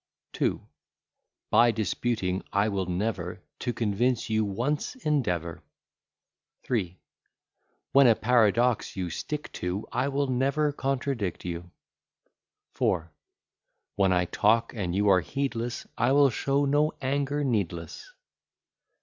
II By disputing, I will never, To convince you once endeavour. III When a paradox you stick to, I will never contradict you. IV When I talk and you are heedless, I will show no anger needless.